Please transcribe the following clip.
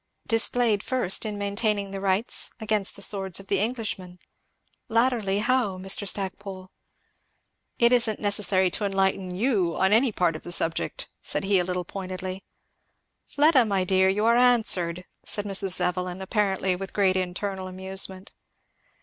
"Displayed, first, in maintaining the rights against the swords of Englishmen; latterly, how, Mr. Stackpole?" "It isn't necessary to enlighten you on any part of the subject," said he a little pointedly. "Fleda, my dear, you are answered!" said Mrs. Evelyn, apparently with great internal amusement.